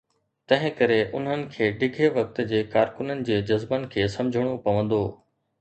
تنهن ڪري انهن کي ڊگهي وقت جي ڪارڪنن جي جذبن کي سمجهڻو پوندو.